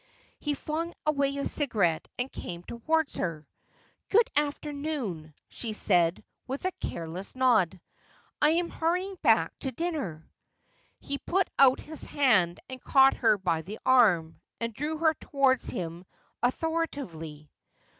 He flung away his cigarette and came towards her. ' Good afternoon,' $he said, with a careless nod ;' I am hurrying back to dinner.' He put out his hand and caught her by the arm, and drew her towards him authoritatively.